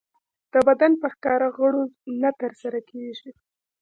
د بدن په ښکاره غړو نه ترسره کېږي.